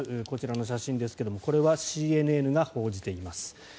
こちらの写真ですがこれはＣＮＮが報じています。